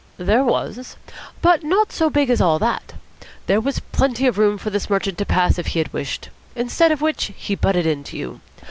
"There was; but not so big as all that. There was plenty of room for this merchant to pass if he had wished. Instead of which he butted into you.